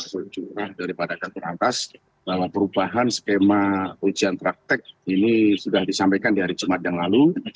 dan juga daripada keturangkas dalam perubahan skema ujian praktek ini sudah disampaikan di hari jumat yang lalu